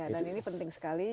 dan ini penting sekali